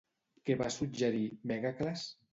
Què va suggerir Mègacles?